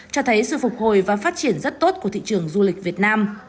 cho thấy sự phục hồi và phát triển rất tốt của thị trường du lịch việt nam